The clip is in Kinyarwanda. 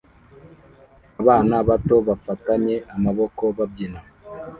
Abana bato bafatanye amaboko babyina